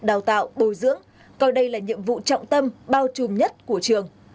đào tạo bồi dưỡng coi đây là nhiệm vụ trọng tâm bao trùm nhất của trường